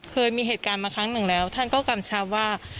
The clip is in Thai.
เคยมีเหตุการณ์มาครั้งหนึ่งแล้วท่านก็กำชับว่า